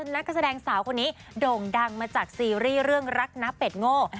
นักแสดงสาวคนนี้โด่งดังมาจากซีรีส์เรื่องรักน้าเป็ดโง่